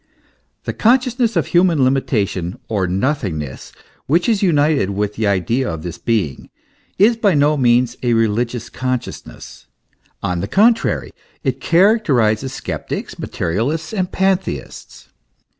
The consciousness of human limitation or nothingness which is united with the idea of this being, is by no means a religious consciousness; on the contrary, it characterizes sceptics, materialists, and pan theists.